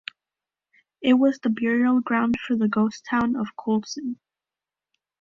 It was the burial ground for the ghost town of Coulson.